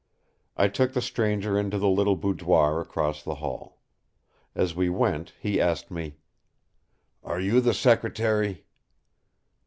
I took the stranger into the little boudoir across the hall. As we went he asked me: "Are you the secretary?"